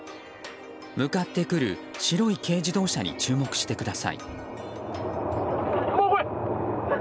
向かってくる白い軽自動車に注目してください。